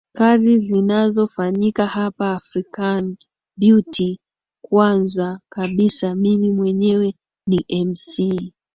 kazi zinazofanyika hapa afrikan beauty kwanza kabisa mimi mwenyewe ni mc